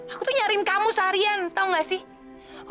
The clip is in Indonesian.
aku tuh nyari kamu seharian tau gak sih